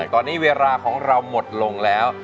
ตอนนี้เวลาของเราหมดลงแล้ว